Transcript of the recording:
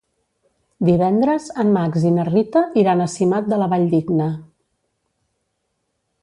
Divendres en Max i na Rita iran a Simat de la Valldigna.